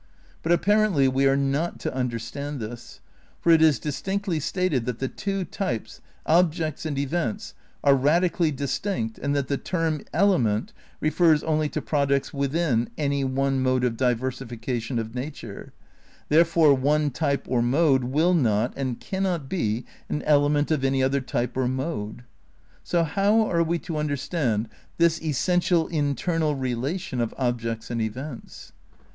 But apparently we are not to understand this; for it is distinctly stated that the two types, objects and events, are radically distinct and that the term "element" refers only to products within "any one mode of diversification of nature"; therefore one type or mode will not and cannot be an element of any other type or mode. So how are we to understand this essential internal relation of objects and events?